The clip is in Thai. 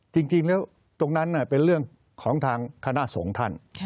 ตรงนั้นนะเป็นเรื่องของทางคณะสงฆ์ท่าน